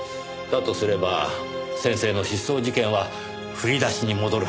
だとすれば先生の失踪事件は振り出しに戻るはずです。